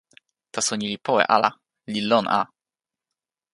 taso ni li powe ala, li lon a.